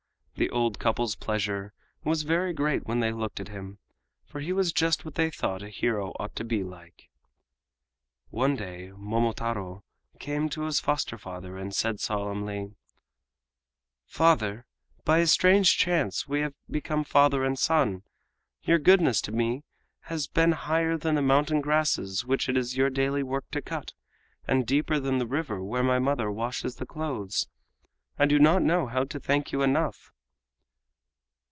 The old couple's pleasure was very great when they looked at him, for he was just what they thought a hero ought to be like. One day Momotaro came to his foster father and said solemnly: "Father, by a strange chance we have become father and son. Your goodness to me has been higher than the mountain grasses which it was your daily work to cut, and deeper than the river where my mother washes the clothes. I do not know how to thank you enough."